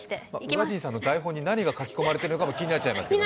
宇賀神さんの台本に何が書き込まれているのかも気になりますけどね。